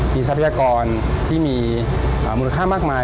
มีทรัพยากรที่มีมูลค่ามากมาย